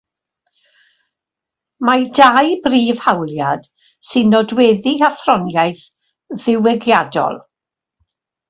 Mae dau brif hawliad sy'n nodweddu athroniaeth ddiwygiadol.